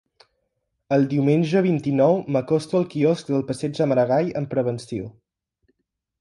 El diumenge vint-i-nou m'acosto al quiosc del passeig de Maragall amb prevenció.